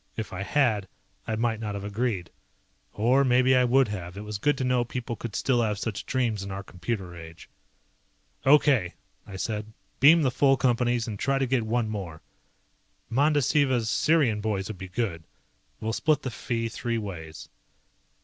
If I had I might not have agreed. Or maybe I would have, it was good to know people could still have such dreams in our computer age. "Okay," I said, "beam the full Companies and try to get one more. Mandasiva's Sirian boys would be good. We'll split the fee three ways."